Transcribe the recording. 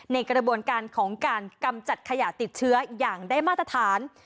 ในกระบวนการของการกำจัดขยะติดเชื้ออย่างได้มาตรฐาน